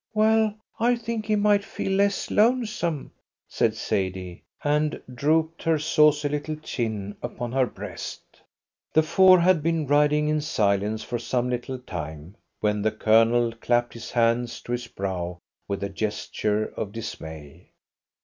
"Well, I think he might feel less lonesome," said Sadie, and drooped her saucy little chin upon her breast. The four had been riding in silence for some little time, when the Colonel clapped his hand to his brow with a gesture of dismay.